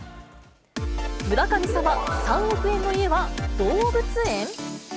村神様、３億円の家は動物園？